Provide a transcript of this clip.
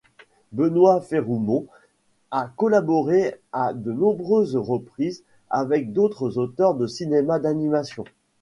Benoît Feroumont a collaboré à de nombreuses reprises avec d’autres auteurs de cinéma d'animation.